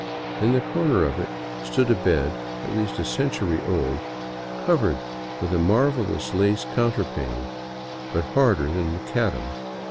In a corner of it stood a bed at least a century old, covered with a marvelous lace counterpane, but harder than macadam.